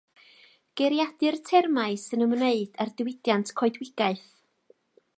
Geiriadur termau sy'n ymwneud a'r diwydiant coedwigaeth.